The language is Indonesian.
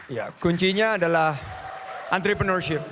ya kuncinya adalah entrepreneurship